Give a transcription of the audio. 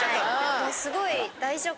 私すごい。